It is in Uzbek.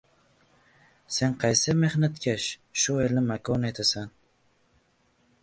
Sen qaysi el mehnatkash—shu elni makon etasan.